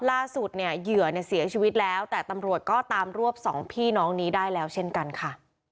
ล่าสุดเนี่ยเหยื่อเนี่ยเสียชีวิตแล้วแต่ตำรวจก็ตามรวบสองพี่น้องนี้ได้แล้วเช่นกันค่ะ